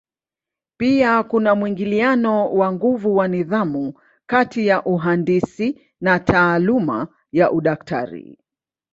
Pia kuna mwingiliano wa nguvu wa nidhamu kati ya uhandisi na taaluma ya udaktari.